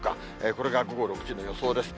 これが午後６時の予想です。